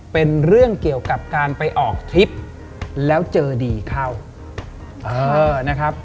เป็นเรื่องเกี่ยวกับการไปออกทริปแล้วเจอดีเข้า